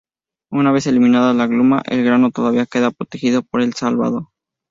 Una vez eliminada la gluma, el grano todavía queda protegido por el salvado.